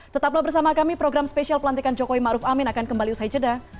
tetaplah bersama kami program spesial pelantikan jokowi ⁇ maruf ⁇ amin akan kembali usai jeda